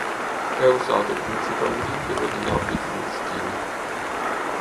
È usato principalmente per gli abiti maschili.